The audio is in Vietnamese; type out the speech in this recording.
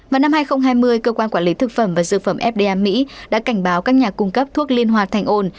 vào năm hai nghìn hai mươi cơ quan quản lý thực phẩm và dược phẩm fda mỹ đã cảnh báo các nhà cung cấp thuốc liên hoa thanh ôn